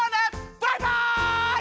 バイバイ！